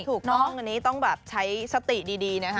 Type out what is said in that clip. ถูกต้องอันนี้ต้องแบบใช้สติดีนะคะ